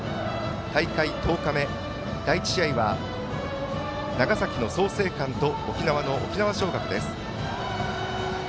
大会１０日目、第１試合は長崎の創成館と沖縄の沖縄尚学です。